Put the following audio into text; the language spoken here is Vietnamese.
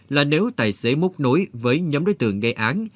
là nếu tài xế mốc nối với nhóm đối tượng gây án